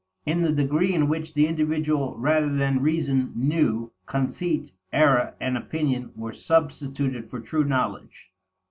In the degree in which the individual rather than reason "knew," conceit, error, and opinion were substituted for true knowledge.